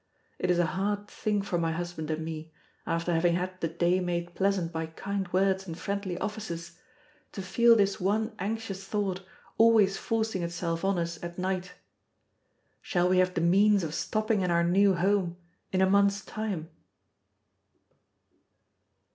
It is a hard thing for my husband and me, after having had the day made pleasant by kind words and friendly offices, to feel this one anxious thought always forcing itself on us at night: Shall we have the means of stopping in our new home in a month's time?